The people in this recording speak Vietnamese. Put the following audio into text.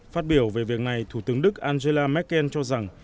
phát biểu về việc này thủ tướng đức angela merkel cho rằng